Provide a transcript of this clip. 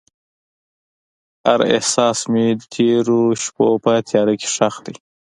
هر احساس مې د تیرو شپو په تیاره کې ښخ دی.